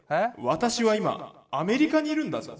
「私は今アメリカにいるんだぞ？」。